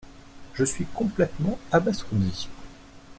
Je suis complètement abasourdi.